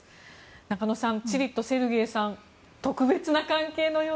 中野さん、チリとセルゲイさん